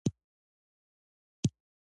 یوه ورځ بهلول په لوړ آواز چغې وهلې او ویلې یې.